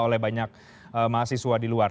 oleh banyak mahasiswa di luar